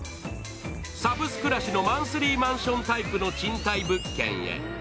サブスくらしのマンスリーマンションタイプの賃貸物件へ。